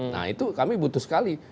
nah itu kami butuh sekali